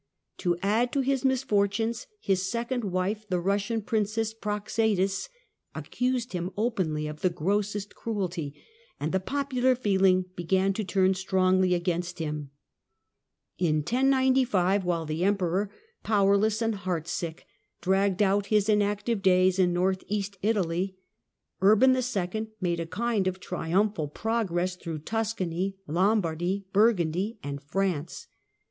To add to his misfortunes, his second wife, the Eussian princess Praxedis, accused him openly of the grossest cruelty, and the popular feeling began to turn strongly against him. In 1095, while the Emperor, powerless and heart sick, dragged out his inactive days in north east Italy, Urban II. made a Councils of ^^^^°^ triumphal progress tli rough Tuscany, Lombardy, Piacenza Burgundy, and France.